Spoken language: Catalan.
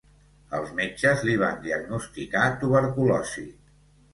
Els metges li van diagnosticar tuberculosi.